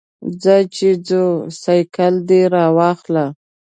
ځه چې ځو، سایکل دې راواخله.